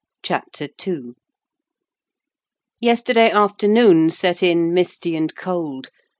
CHAPTER II Yesterday afternoon set in misty and cold.